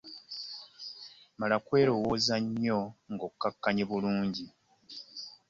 Mala kwerowooza nnyo ng'okkakkanye bulungi.